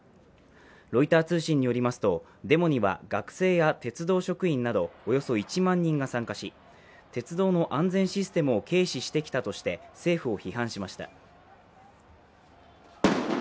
ロイター通信によりますとデモには学生や鉄道職員などおよそ１万人が参加し鉄道の安全システムを軽視してきたとして政府を批判しました。